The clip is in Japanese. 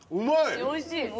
おいしい。